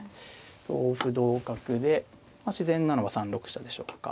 同歩同角でまあ自然なのが３六飛車でしょうか。